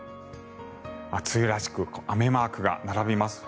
梅雨らしく雨マークが並びます。